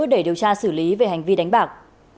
để điều tra xử lý về hành vi đánh bạc